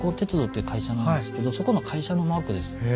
いう会社なんですけどそこの会社のマークです。へ。